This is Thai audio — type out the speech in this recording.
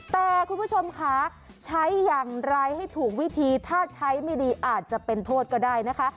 แต่คุณผู้ชมค่ะใช้อย่างไรให้ถูกวิธีถ้าใช้ไม่ดีอาจจะเป็นโทษก็ได้นะคะ